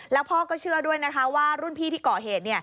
แล้วพ่อก็เชื่อด้วยนะคะว่ารุ่นพี่ที่ก่อเหตุ